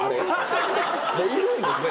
もういるんですね？